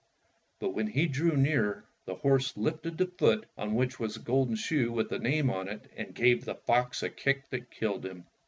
But when he drew near, the horse lifted the foot on which was the golden shoe with a name on it and gave the fox a kick that killed him.